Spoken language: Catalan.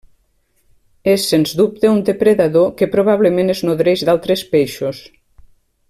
És, sens dubte, un depredador que, probablement, es nodreix d'altres peixos.